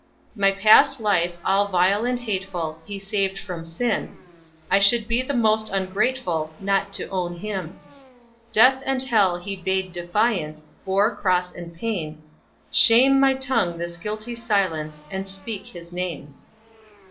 My past life, all vile and hateful, He saved from sin; I should be the most ungrateful Not to own him. Death and hell he bade defiance, Bore cross and pain; Shame my tongue this guilty silence, And speak his name."